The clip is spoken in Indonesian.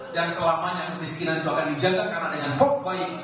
dan selamanya miskinan itu akan dijaga karena ada yang vote baik